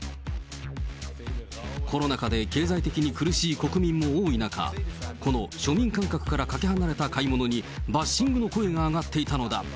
コロナ禍で経済的に苦しい国民も多い中、この庶民感覚からかけ離れた買い物に、バッシングの声が上がっていたのだ。